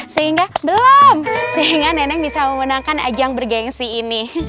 sehingga belum sehingga neneng bisa memenangkan ajang bergensi ini